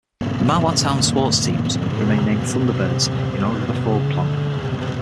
The Mahwah town sports teams remain named Thunderbirds in honor of the Ford plant.